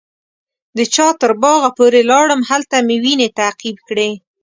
د پاچا تر باغه پورې لاړم هلته مې وینې تعقیب کړې.